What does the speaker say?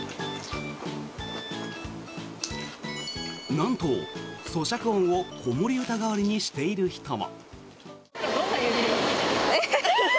なんと、そしゃく音を子守歌代わりにしている人も。